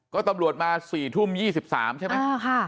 ก็ตำรวจมา๔ทุ่ม๒๓ใช่ไหม